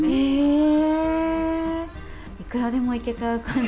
いくらでもいけちゃう感じ。